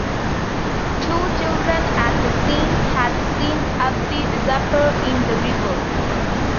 Two children at the scene had seen Abdi disappear in the river.